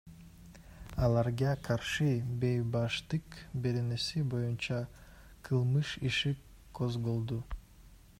Аларга каршы Бейбаштык беренеси боюнча кылмыш иши козголду.